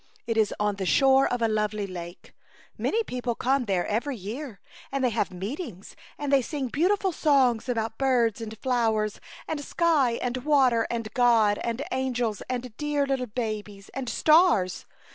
It is on the shore of a lovely lake. A Chautauqua Idyl. 13 Many people come there every year, and they have meetings, and they sing beautiful songs about birds and flowers and sky and water and God and angels and dear little babies and stars.